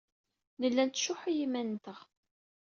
Nella nettcuḥḥu i yiman-nteɣ.